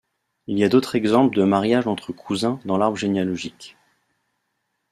Il y a d'autres exemples de mariages entre cousins dans l'arbre généalogique.